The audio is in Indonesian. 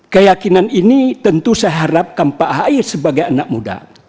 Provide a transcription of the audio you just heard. keyakinan ini tentu saya harapkan pak ahy sebagai anak muda